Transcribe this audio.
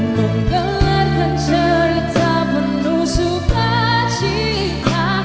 mengelarkan cerita penuh sukacita